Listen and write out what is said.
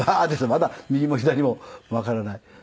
まだ右も左もわからない。